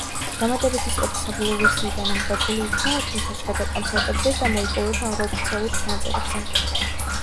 დამატებითი სტროფი საბოლოო ვერსიიდან ამოღებული იქნა, თუმცა ჟღერდა კონცერტებზე და მოიპოვება არაოფიციალურ ჩანაწერებზე.